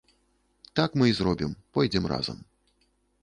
Так мы і зробім, пойдзем разам.